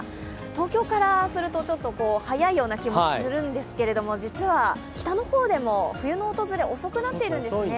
東京からするとちょっと早いような気もするんですけど実は北の方でも冬の訪れ、遅くなっているんですね。